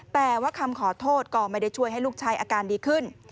แต่ว่าคำขอโทษก็ไม่ได้ช่วยให้ลูกชายอาการดีขึ้น